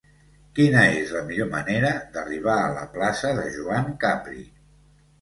Quina és la millor manera d'arribar a la plaça de Joan Capri?